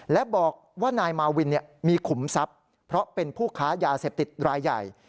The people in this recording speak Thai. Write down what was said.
และบอกว่านายมาวินมีขุมทรัพย์เพราะเป็นผู้ค้ายาเสพติดรายใหญ่